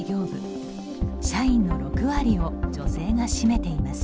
社員の６割を女性が占めています。